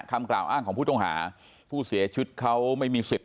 คำกล่าวอ้างของผู้ต้องหาผู้เสียชีวิตเขาไม่มีสิทธิ์